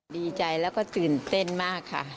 ดีใจแล้วก็ตื่นเต้นมากค่ะ